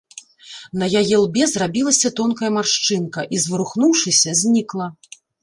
На яе лбе зрабілася тонкая маршчынка і, зварухнуўшыся, знікла.